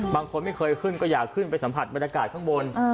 บางคนไม่เคยขึ้นก็อยากขึ้นไปสัมผัสบรรยากาศข้างบน